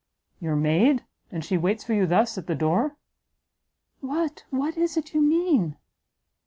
"Your maid? and she waits for you thus at the door?" "What, what is it you mean?"